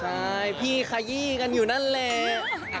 ใช่พี่ขยี้กันอยู่นั่นแหละ